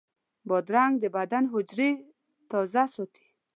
بادرنګ د بدن حجرې تازه ساتي.